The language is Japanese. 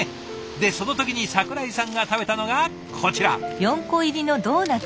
でその時に櫻井さんが食べたのがこちら！